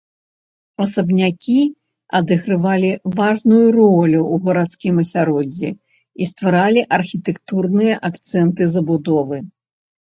Асабнякі адыгрывалі важную ролю ў гарадскім асяроддзі і стваралі архітэктурныя акцэнты забудовы.